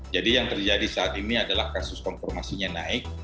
jadi yang terjadi saat ini adalah kasus konformasinya naik